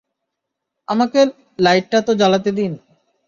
আমাকে লাইটটা তো জ্বালাতে দিন।